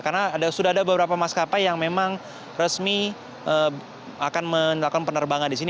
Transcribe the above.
karena sudah ada beberapa maskapai yang memang resmi akan melakukan penerbangan di sini